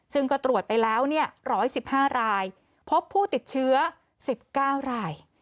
ซึ่งก็ตรวจไปแล้วเนี่ยร้อยสิบห้ารายพบผู้ติดเชื้อสิบเก้าราย